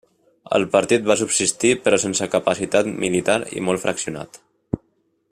El partit va subsistir però sense capacitat militar i molt fraccionat.